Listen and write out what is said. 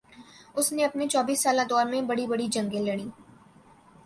اس نے اپنے چوبیس سالہ دور میں بڑی بڑی جنگیں لڑیں